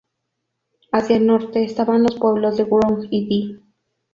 Hacia el norte estaban los pueblos de Wrong y Di.